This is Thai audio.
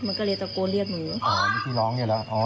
มันก็เลยตะโกนเรียกหนูอ๋อนี่คือน้องนี่แหละอ๋อ